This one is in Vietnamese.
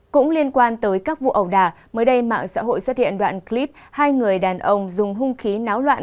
cũng liên quan tới các vụ ẩu đà mới đây mạng xã hội xuất hiện đoạn clip hai người đàn ông dùng hung khí náo loạn